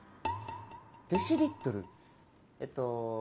デシリットル？えっと。